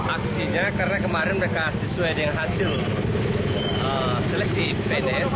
aksinya karena kemarin mereka sesuai dengan hasil seleksi pns